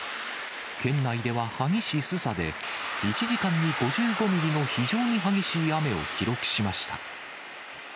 県内では萩市須佐で、１時間に５５ミリの非常に激しい雨を記録しました。